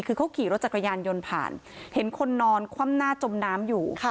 คือเขาขี่รถจักรยานยนต์ผ่านเห็นคนนอนคว่ำหน้าจมน้ำอยู่